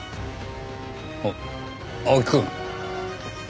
あ青木くん。